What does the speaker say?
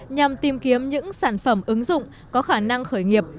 nhằm tìm kiếm những sản phẩm ứng dụng có khả năng khởi nghiệp